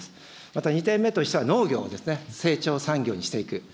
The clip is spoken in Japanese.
また２点目としては農業ですね、成長産業にしていく。